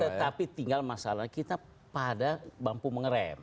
tetapi tinggal masalah kita pada mampu mengerem